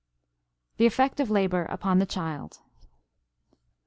THE EFFECT OF LABOR UPON THE CHILD.